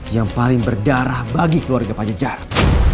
yang paling berdarah bagi keluarga pajajaran